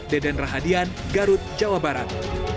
deden rahadian garut jawa barat